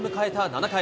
７回。